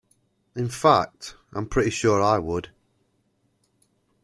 In fact, I'm pretty sure I would.